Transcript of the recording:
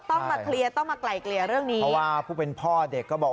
ต้องมาเคลียร์ต้องมาไกลเกลี่ยเรื่องนี้เพราะว่าผู้เป็นพ่อเด็กก็บอก